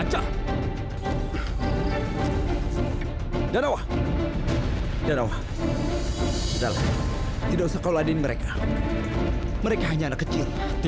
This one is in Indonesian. cepat katakan dimana anak itu